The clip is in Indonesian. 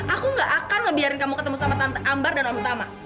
aku nggak akan ngebiarin kamu ketemu sama tante ambar dan om tama